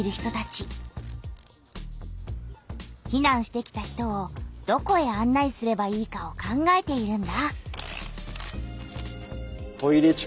ひなんしてきた人をどこへあん内すればいいかを考えているんだ。